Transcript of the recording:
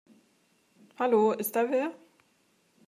Hallo, ist da wer?